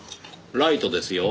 ライトですよ。